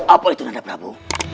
apa itu nanda prabu